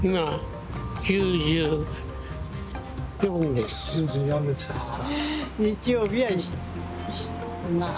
９４ですか。